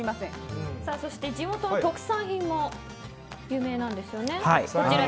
そして、地元の特産品も有名なんですよね。